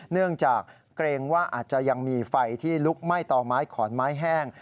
เนื่องจากเกรงว่าอาจจะยังมีไฟที่ลุกไหม้ต่อไม้ขอนไม้แห้ง